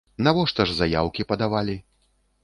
Навошта ж заяўкі падавалі?